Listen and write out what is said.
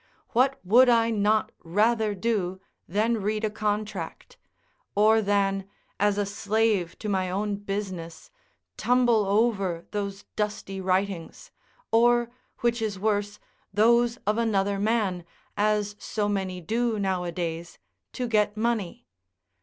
What would I not rather do than read a contract? or than, as a slave to my own business, tumble over those dusty writings? or, which is worse, those of another man, as so many do nowadays, to get money?